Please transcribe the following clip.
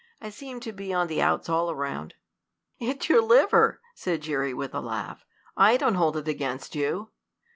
I seem to be on the outs all around." "It's your liver," said Jerry with a laugh. "I don't hold it against you."